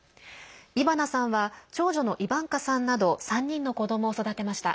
イバナさんは長女のイバンカさんなど３人の子どもを育てました。